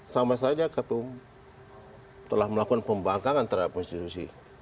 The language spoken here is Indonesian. sama saja ketum telah melakukan pembangkangan terhadap konstitusi